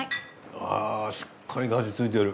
あしっかりと味ついてる。